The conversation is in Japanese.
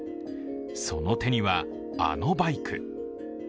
その手には、あのバイク。